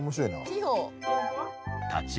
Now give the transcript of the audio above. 器用。